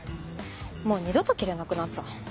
もう二度と着れなくなった。